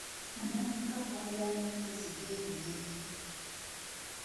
Amenvu aga bbogoya ne ndiizi geeyogerera.